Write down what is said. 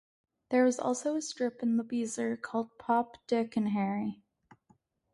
There was also a strip in The Beezer called Pop, Dick and Harry.